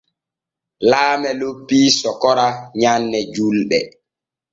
Laame loppii sokora nyanne julɗe.